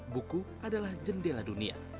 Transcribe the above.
buku adalah jendela dunia